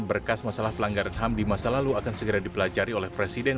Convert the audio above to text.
berkas masalah pelanggaran ham di masa lalu akan segera dipelajari oleh presiden